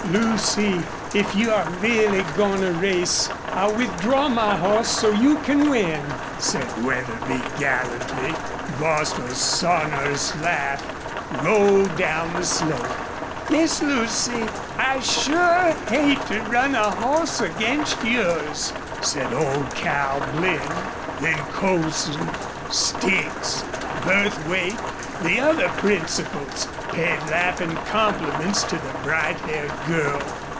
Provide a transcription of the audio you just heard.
"Lucy, if you are really goin' to race I'll withdraw my hoss so you can win," said Wetherby, gallantly. Bostil's sonorous laugh rolled down the slope. "Miss Lucy, I sure hate to run a hoss against yours," said old Cal Blinn. Then Colson, Sticks, Burthwait, the other principals, paid laughing compliments to the bright haired girl.